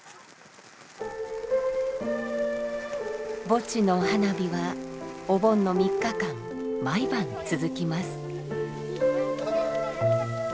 墓地の花火はお盆の３日間毎晩続きます。